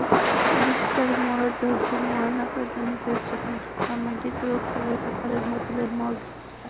Police তাঁর মরদেহ ময়নাতদন্তের জন্য ঢাকা মেডিকেল কলেজ হাসপাতাল মর্গে পাঠায়।